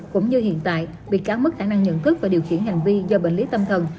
cũng như hiện tại bị cản mất khả năng nhận thức và điều khiển hành vi do bệnh lý tâm thần